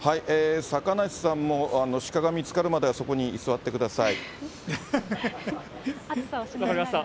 坂梨さんも鹿が見つかるまではそこに居座ってください。